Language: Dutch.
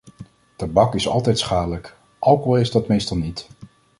Tabak is altijd schadelijk, alcohol is dat meestal niet.